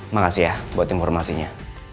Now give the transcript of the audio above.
makasih ya buat informasinya